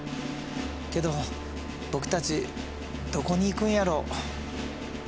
けど僕たちどこに行くんやろ？